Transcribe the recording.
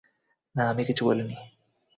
না, আমি কিছু বলিনি।